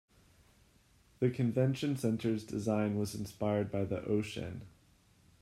The Convention Center's design was inspired by the ocean.